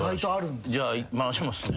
じゃあ回しますね。